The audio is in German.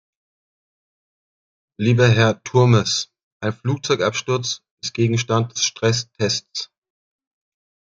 Lieber Herr Turmes, ein Flugzeugabsturz ist Gegenstand des Stresstests.